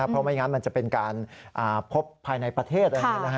เพราะไม่อย่างนั้นมันจะเป็นการพบภายในประเทศ